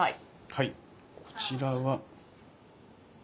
はいこちらは。